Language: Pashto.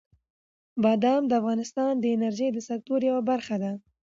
بادام د افغانستان د انرژۍ د سکتور یوه برخه ده.